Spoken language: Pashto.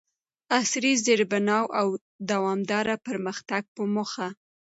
عصري زیربناوو او دوامداره پرمختګ په موخه،